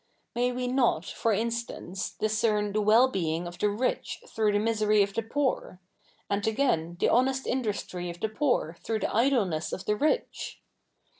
May we 7iot, for insta?ice, discern the zuell being of the rich through the misery of tlie poor 1 and again, the honest industry of the poor th7'ough the idleness of the rich